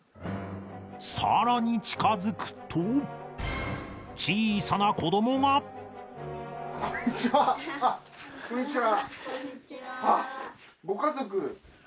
さらに近づくと小さな子どもがこんにちはこんにちは。